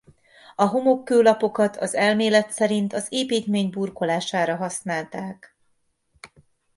A homokkő lapokat az elmélet szerint az építmény burkolására használták.